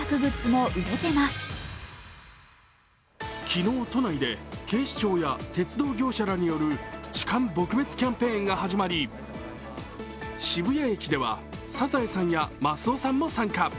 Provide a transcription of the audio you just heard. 昨日、都内で警視庁や鉄道業者らによる痴漢撲滅キャンペーンが始まり、渋谷駅では、サザエさんやマスオさんも参加。